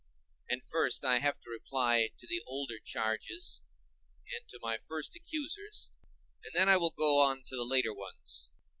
And first, I have to reply to the older charges and to my first accusers, and then I will go to the later ones.